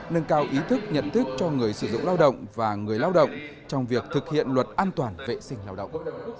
nâng cao ý thức nhận thức cho người sử dụng lao động và người lao động trong việc thực hiện luật an toàn vệ sinh lao động